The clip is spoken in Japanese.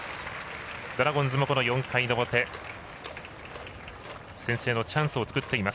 ドラゴンズも４回の表先制のチャンスを作っています。